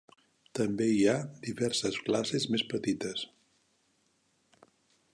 També hi ha diverses classes més petites.